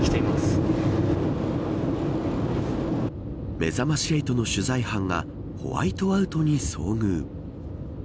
めざまし８の取材班がホワイトアウトに遭遇。